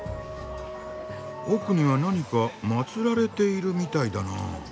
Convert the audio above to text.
奥には何かまつられているみたいだなあ。